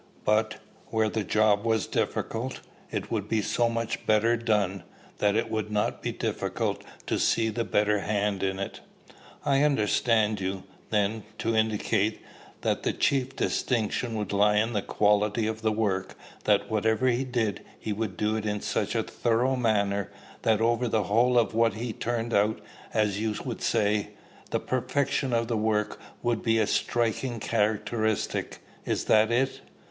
But, where the job was difficult, it would be so much better done, that it would not be difficult to see the better hand in it." "I understand you, then, to indicate, that the chief distinction would lie in the quality of the work; that whatever he did, he would do in such a thorough manner, that over the whole of what he turned out, as you would say, the perfection of the work would be a striking characteristic. Is that it?"